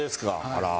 あら。